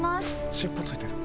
尻尾ついてる。